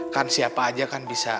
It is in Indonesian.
kan siapa aja kan bisa